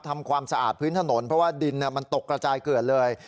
ทำความสะอาดพื้นถนนเพราะว่าดินมันตกกระจายเกลือนเลย